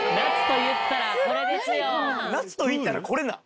夏といったらこれなん？